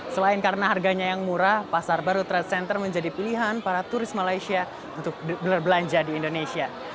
selain karena harganya yang murah pasar baru trade center menjadi pilihan para turis malaysia untuk berbelanja di indonesia